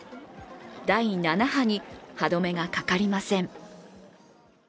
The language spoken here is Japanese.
第７波に歯止めがかかりません。